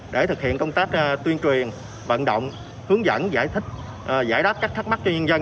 để thực hiện công tác tuyên truyền vận động hướng dẫn giải thích giải đáp các thắc mắc cho nhân dân